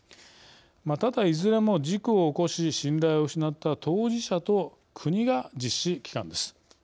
ただ、いずれも事故を起こし信頼を失った当事者と国が実施機関です。